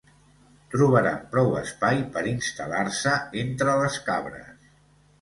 Trobaran prou espai per instal·lar-se entre les cabres.